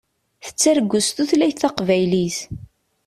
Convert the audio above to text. Tettargu s tutlayt taqbaylit.